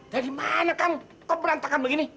dari mana kamu berantakan begini